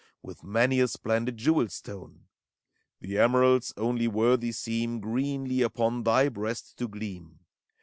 With many a splendid jewel stone: The emeralds only worthy seem Greenly upon thy breast to gleam.